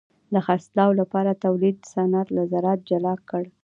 د خرڅلاو لپاره تولید صنعت له زراعت جلا کړ.